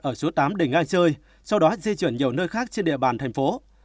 ở số tám đỉnh ngang chơi sau đó di chuyển nhiều nơi khác trên địa bàn thành phố